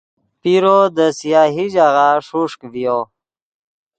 پیرو دے سیاہی ژاغہ ݰوݰک ڤیو